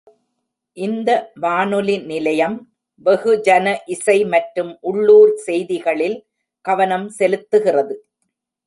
இந்த வானொலி நிலையம், வெகுஜன இசை மற்றும் உள்ளூர் செய்திகளில் கவனம் செலுத்துகிறது.